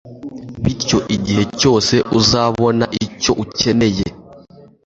bityo, igihe cyose uzabona icyo ukeneye